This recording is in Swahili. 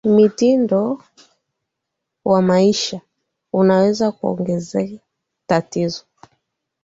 mitindo wa maisha unaweza kuongeza tatizo